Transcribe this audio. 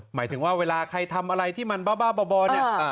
หมายถึงว่าเวลาใครทำอะไรที่มันบ้าบอเนี่ย